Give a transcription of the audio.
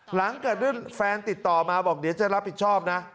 หลังจากฟันติดต่อมาบอกเดี๋ยวจะรับผิดชอบนะ